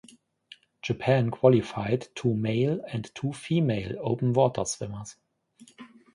Japan qualified two male and two female open water swimmers.